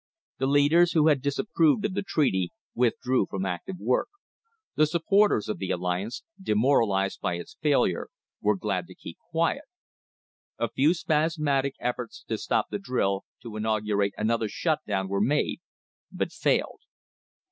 The leaders who had disapproved of the treaty withdrew from active work; the supporters of the alliance, demoralised by its failure, were glad to keep quiet. A few spasmodic efforts to stop the drill, to inaugurate another shut down, were made, but failed.